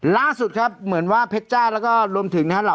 ล่าสุดครับเหมือนว่าเพชรจ้าแล้วก็รวมถึงนะครับ